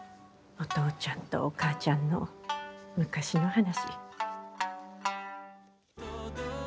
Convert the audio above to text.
お父ちゃんとお母ちゃんの昔の話。